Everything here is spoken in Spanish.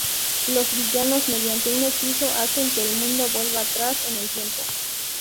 Los villanos mediante un hechizo hacen que el mundo vuelva atrás en el tiempo.